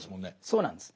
そうなんです。